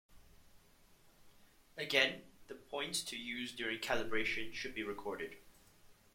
Again, the points to use during calibration should be recorded.